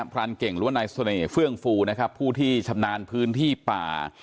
พรานเก่งรวมนายสนิเฟื้องฟูนะครับผู้ที่ชำนาญพื้นที่ป่า